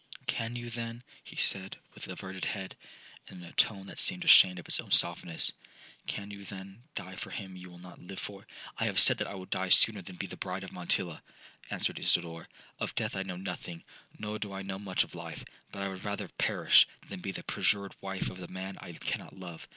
'Can you, then,' he said, with averted head, and in a tone that seemed ashamed of its own softness—'Can you, then, die for him you will not live for?'—'I have said I will die sooner than be the bride of Montilla,' answered Isidora. 'Of death I know nothing, nor do I know much of life—but I would rather perish, than be the perjured wife of the man I cannot love.'